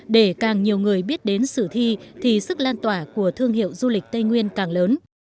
để càng nhiều người biết đến sử thi thì sức lan tỏa của thương hiệu du lịch tây nguyên càng lớn